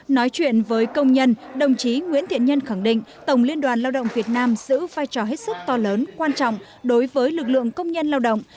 nói chuyện với công nhân đồng chí nguyễn thiện nhân khẳng định tổng liên đoàn lao động việt nam giữ vai trò hết sức to lớn quan trọng đối với lực lượng công nhân lao động